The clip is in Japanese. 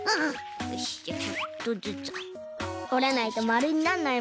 よしじゃあちょっとずつ。おらないとまるになんないもんね。